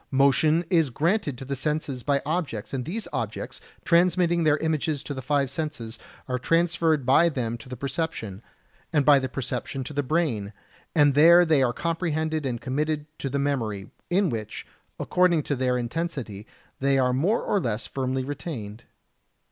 Motion is transmitted to the senses by objects, and these objects, transmitting their images to the five senses, are transferred by them to the perception, and by the perception to the brain; and there they are comprehended and committed to the memory, in which, according to their intensity, they are more or less firmly retained.